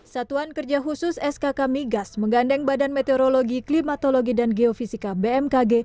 satuan kerja khusus skk migas menggandeng badan meteorologi klimatologi dan geofisika bmkg